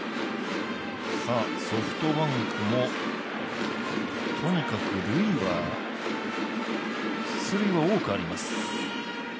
ソフトバンクもとにかく出塁は多くあります。